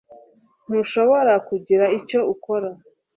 ntushobora kugira icyo ukora